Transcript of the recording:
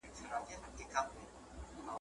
هم پردی سي له خپلوانو هم له ځانه ,